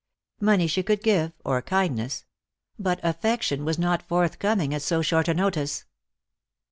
Money she could give, or kindness ; but affection was not forth coming at so short a notice.